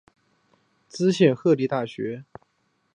滋贺县立大学